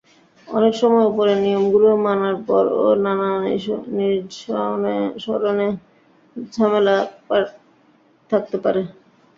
অনেক সময় ওপরের নিয়মগুলো মানার পরও লালা নিঃসরণে ঝামেলা থাকতে পারে।